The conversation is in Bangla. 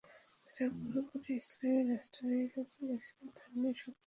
তারা পুরোপুরি ইসলামি রাষ্ট্র হয়ে গেছে, যেখানে ধর্মীয় শক্তিগুলোর প্রাধান্য প্রতিষ্ঠিত হয়েছে।